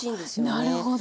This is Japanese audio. あなるほど。